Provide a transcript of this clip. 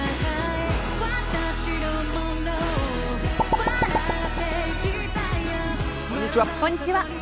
こんにちは。